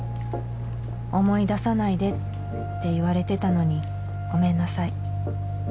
「思い出さないでって言われてたのにごめんなさい」